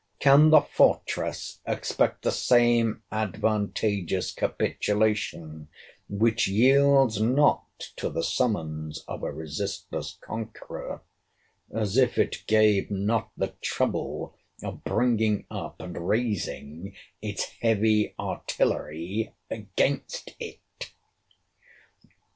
Can the fortress expect the same advantageous capitulation, which yields not to the summons of a resistless conqueror, as if it gave not the trouble of bringing up and raising its heavy artillery against it?